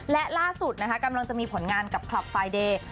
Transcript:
และล่าสุดนะคะกำลังจะมีผลงานกับคลับไฟเดย์